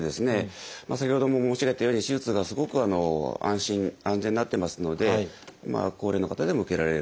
先ほども申し上げたように手術がすごく安心安全になってますので高齢の方でも受けられる。